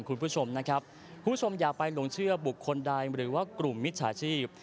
คุณผู้ชมอย่าไปลงเชื่อบุคคลใดหรือว่ากลุ่มมิตรชาชีพ